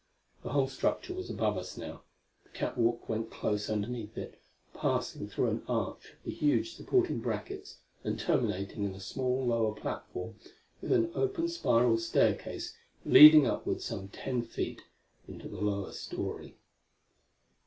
The whole structure was above us now; the catwalk went close underneath it, passing through an arch of the huge supporting brackets and terminating in a small lower platform, with an open spiral staircase leading upward some ten feet into the lower story.